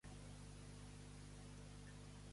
D'on eren originaris Licos i el seu germà?